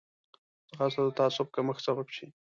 ځغاسته د تعصب کمښت سبب شي